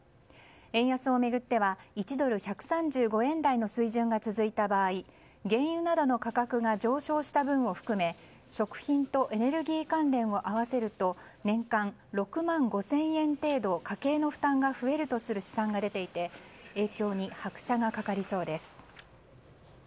円安を巡っては１ドル＝１３５円台の水準が続いた場合、原油などの価格が上昇した分を含め食品とエネルギー関連を合わせると年間６万５０００円程度家計の負担が増えるとする試算が出ていて影響に拍車がかかりそうです。